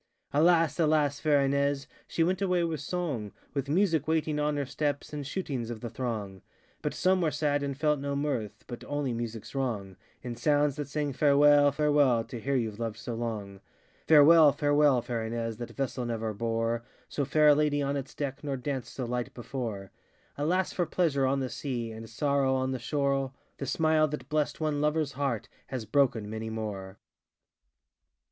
Alas, alas, fair Ines, She went away with song, With music waiting on her steps, And shootings of the throng; But some were sad and felt no mirth, But only MusicŌĆÖs wrong, In sounds that sang Farewell, Farewell, To her youŌĆÖve loved so long. Farewell, farewell, fair Ines, That vessel never bore So fair a lady on its deck, Nor danced so light before, ŌĆö Alas for pleasure on the sea, And sorrow on the shorel The smile that blest one loverŌĆÖs heart Has broken many more!